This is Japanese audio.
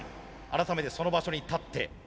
改めてその場所に立って。